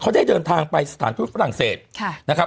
เขาได้เดินทางไปสถานทูตฝรั่งเศสนะครับ